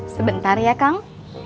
sebentar ya kang